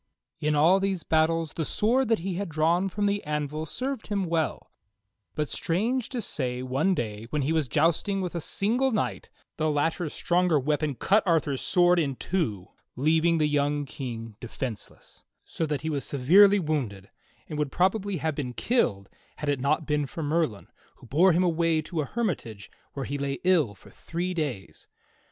In all these battles the sword that he had drawn from the anvil served him well, but strange to say one day when he was jousting with a single knight the latter's stronger weapon cut Arthur's sword in two, leaving the young King defenseless, so that he was severely wounded and would probably have been killed had it not been for Merlin, who bore him away to a hermitage where he lay ill for three days.